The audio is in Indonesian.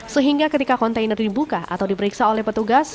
sehingga ketika kontainer dibuka atau diperiksa oleh petugas